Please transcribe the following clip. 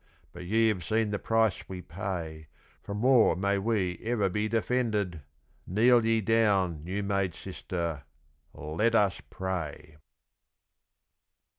But ye have seen the price we pay, From War may we ever be defended, Kneel ye down, new made Sister Let us Pray!'